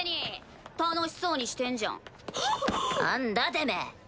てめぇ。